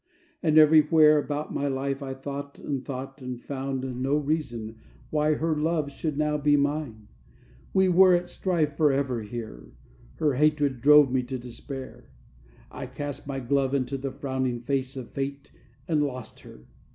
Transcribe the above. And everywhere About my life I thought and thought And found no reason why her love Should now be mine. We were at strife Forever here; her hatred drove Me to despair: I cast my glove Into the frowning face of fate, And lost her.